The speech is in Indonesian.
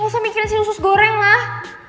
gausah mikirin si usus goreng lah